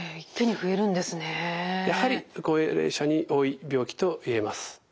やはり高齢者に多い病気と言えます。